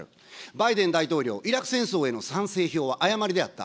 バイデン大統領、イラク戦争への賛成票は誤りであった。